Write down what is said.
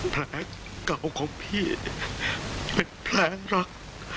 แผลเก่าของพี่เป็นแผลรัก